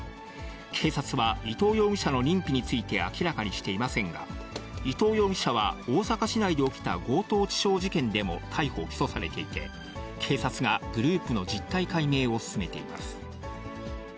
警察は、伊藤容疑者の認否について明らかにしていませんが、伊藤容疑者は大阪市内で起きた強盗致傷事件でも逮捕・起訴されていて、警察がグループの実態解明を進めています。